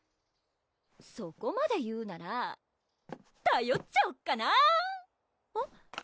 そこまで言うならたよっちゃおっかなえっ？